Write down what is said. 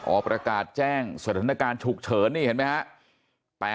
ออกประกาศแจ้งสถานการณ์ฉุกเฉินนี่เห็นไหมครับ